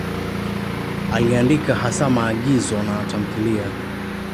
Aliandika hasa maigizo na tamthiliya.